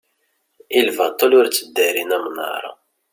i lbaṭel ur tteddarin amnaṛ